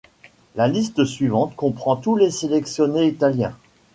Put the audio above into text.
La liste suivante comprend tous les sélectionnés italiens.